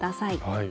はい。